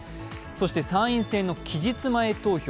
そして参院選の期日前投票。